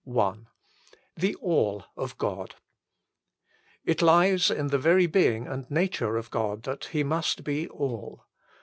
I THE ALL OF GOD It lies in the very being and nature of God that He must be all.